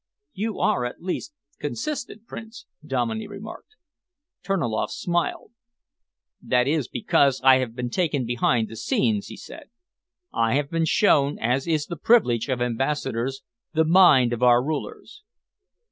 "You are at least consistent, Prince," Dominey remarked. Terniloff smiled. "That is because I have been taken behind the scenes," he said. "I have been shown, as is the privilege of ambassadors, the mind of our rulers.